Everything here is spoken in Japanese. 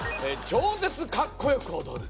超絶かっこよく踊る？